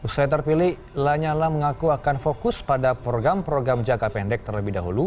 setelah terpilih lanyala mengaku akan fokus pada program program jangka pendek terlebih dahulu